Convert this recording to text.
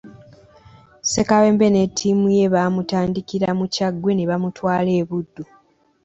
Ssekabembe ne ttiimu ye baamutandikira mu Kyaggwe ne bamutwala e Buddu.